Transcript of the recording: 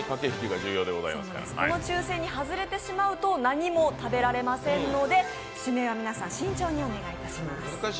この抽せんに外れてしまうと何も食べられませんので指名は皆さん慎重にお願いします。